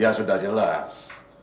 ya sudah jelas